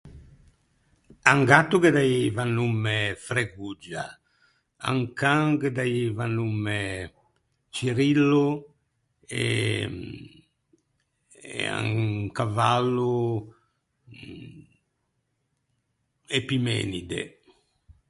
À un gatto ghe daieiva nomme Fregoggia. À un can ghe daieiva nomme Cirillo. E à un cavallo, Epimenide.